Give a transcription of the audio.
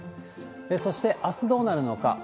そして、あすどうなるのか。